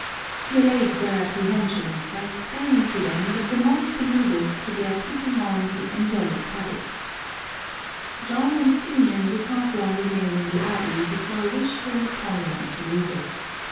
He allayed their apprehensions by explaining to them that the monks alluded to their putting on the " angelic habit." John and Symeon did not long remain in the abbey before a wish came upon them to leave it.